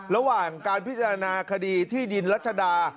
ระหว่างการพิจารณาคดีที่ดินรัชดา